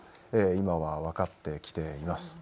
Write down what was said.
今は分かってきています。